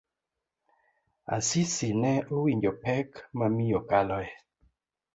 Asisi ne owinjo pek ma miyo kaloe.